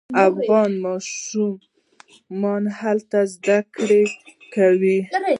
افغان ماشومان هلته زده کړې کوي.